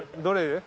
どれ？